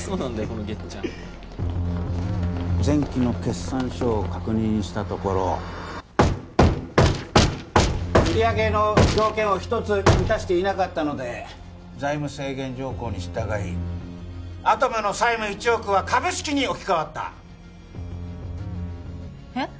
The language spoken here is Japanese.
このゲッちゃん前期の決算書を確認したところ売上の条件を一つ満たしていなかったので財務制限条項に従いアトムの債務１億は株式に置き換わったえっ？